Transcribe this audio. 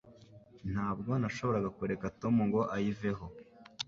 Ntabwo nashoboraga kureka Tom ngo ayiveho